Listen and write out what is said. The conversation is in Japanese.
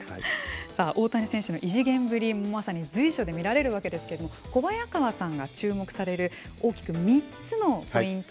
さあ大谷選手の異次元ぶりまさに随所で見られるわけですけど小早川さんが注目される大きく３つのポイント